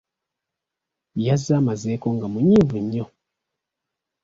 Yazze amazeeko nga munyiivu nnyo.